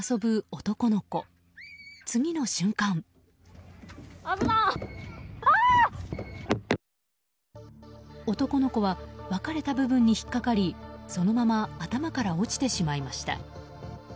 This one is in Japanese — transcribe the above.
男の子は分かれた部分に引っ掛かりそのまま頭から落ちてしまいました。